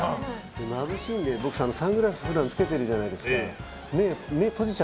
まぶしいんで、僕サングラス普段つけているじゃないですか。